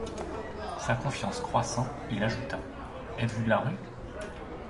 Sa confiance croissant, il ajouta: — Êtes-vous de la rue?